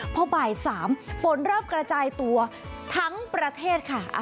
พอบ่าย๓ฝนเริ่มกระจายตัวทั้งประเทศค่ะ